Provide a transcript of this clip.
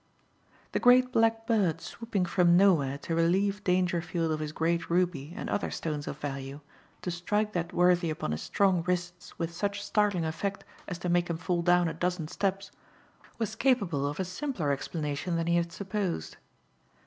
The great black bird swooping from nowhere to relieve Dangerfield of his great ruby and other stones of value, to strike that worthy upon his strong wrists with such startling effect as to make him fall down a dozen steps, was capable of a simpler explanation than he had supposed.